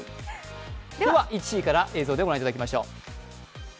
では１位から映像でご覧いただきましょう。